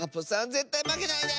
ぜったいまけないで！